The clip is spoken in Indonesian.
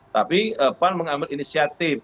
tapi pan mengambil inisiatif